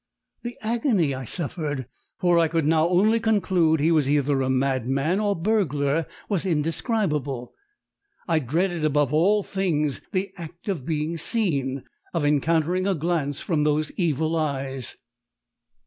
The agony I suffered for I could now only conclude he was either a madman or burglar was indescribable; I dreaded above all things the act of being seen of encountering a glance from those evil eyes.